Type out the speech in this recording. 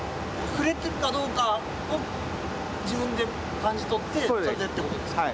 触れてるかどうかを自分で感じ取って調整ってことですか？